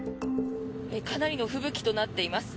かなりの吹雪となっています。